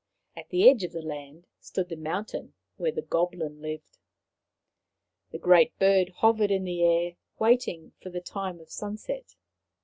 At the edge of the land stood the mountain where the goblin lived. The Great Bird hovered in the air, waiting for the time of sunset.